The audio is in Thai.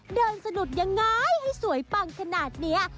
เดินสนุดยังไงให้สวยปังขนาดนี้